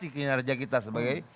mengamati kinerja kita sebagai